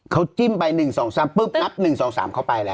เขาจิ้มไป๑๒๓ปุ๊บปั๊บ๑๒๓เขาไปแล้ว